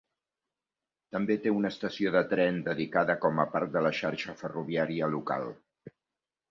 També té una estació de tren dedicada com a part de la xarxa ferroviària local.